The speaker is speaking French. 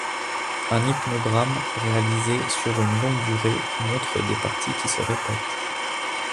Un hypnogramme réalisé sur une longue durée montre des parties qui se répètent.